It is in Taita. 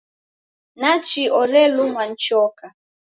Nachi orelumwa ni choka!